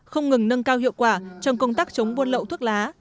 không ngừng nâng cao hiệu quả trong công tác chống buôn lậu thuốc lá